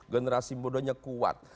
generasi mudanya kuat